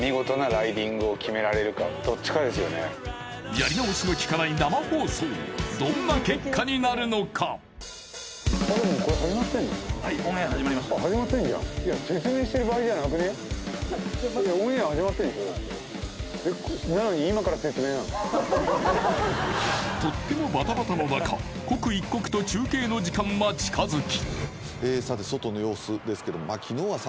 やり直しのきかない生放送どんな結果になるのかとってもバタバタのなか刻一刻と中継の時間は近づき